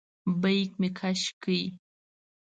بیک مې کش کړ.